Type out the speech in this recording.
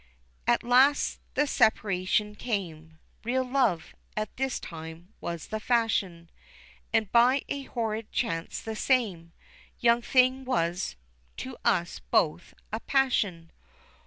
At last the separation came, Real love, at that time, was the fashion; And by a horrid chance, the same Young thing was, to us both, a passion.